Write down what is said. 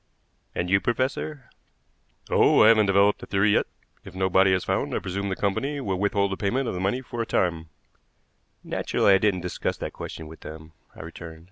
"And you, professor?" "Oh, I haven't developed a theory yet! If no body is found, I presume the company will withhold the payment of the money for a time." "Naturally, I didn't discuss that question with them," I returned.